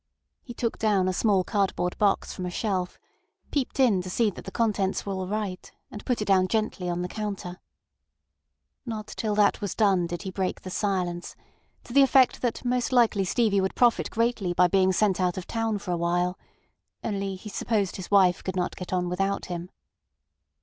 He took down a small cardboard box from a shelf, peeped in to see that the contents were all right, and put it down gently on the counter. Not till that was done did he break the silence, to the effect that most likely Stevie would profit greatly by being sent out of town for a while; only he supposed his wife could not get on without him.